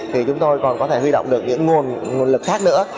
thì chúng tôi còn có thể huy động được những nguồn lực khác nữa